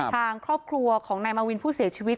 ทางครอบครัวของนายมาวินผู้เสียชีวิต